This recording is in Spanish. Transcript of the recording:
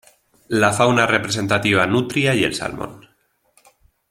La fauna representativa nutria y el salmón.